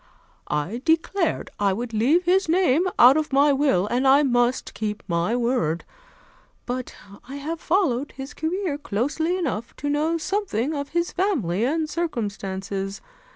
"I declared I would leave his name out of my will, and I must keep my word; but I have followed his career closely enough to know something of his family and circumstances.